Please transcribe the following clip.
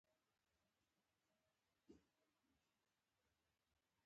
شپه که هر څه توفانی ده، چراغونه لا بلیږی